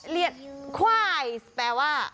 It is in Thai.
เรียนควายแปลว่า